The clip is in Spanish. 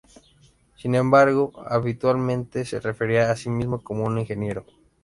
Sin embargo, habitualmente se refería a sí mismo como un ingeniero.